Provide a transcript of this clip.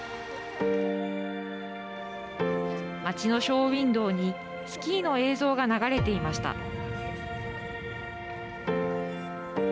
町のショーウインドーにスキーの映像が流れていました。